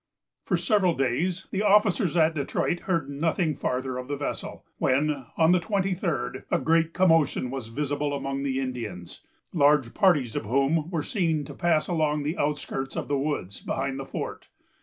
For several days, the officers at Detroit heard nothing farther of the vessel, when, on the twenty third, a great commotion was visible among the Indians, large parties of whom were seen to pass along the outskirts of the woods, behind the fort.